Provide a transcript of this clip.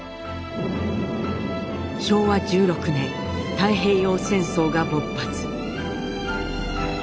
昭和１６年太平洋戦争が勃発。